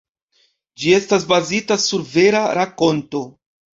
Ĝi estas bazita sur vera rakonto.